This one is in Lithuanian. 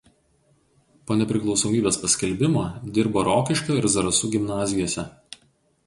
Po nepriklausomybės paskelbimo dirbo Rokiškio ir Zarasų gimnazijose.